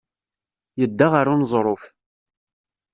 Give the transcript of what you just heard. Yedda ɣer uneẓruf.